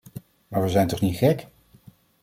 Maar we zijn toch niet gek?